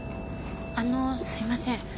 あのすいません。